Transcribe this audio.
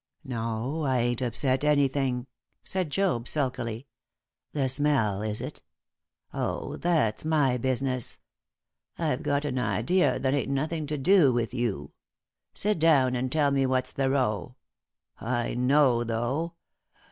"No, I ain't upset anything," said Job, sulkily. "The smell, is it? Oh, that's my business. I've got an idea that ain't nothing to do with you. Sit down and tell me what's the row. I know, though.